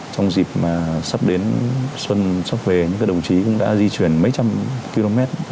trong dịp mà sắp đến xuân sắp về những đồng chí cũng đã di chuyển mấy trăm đồng đội